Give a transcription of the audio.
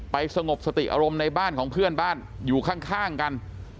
สงบสติอารมณ์ในบ้านของเพื่อนบ้านอยู่ข้างกัน